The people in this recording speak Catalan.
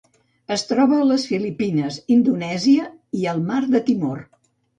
Es troba a les Filipines, Indonèsia i el Mar de Timor.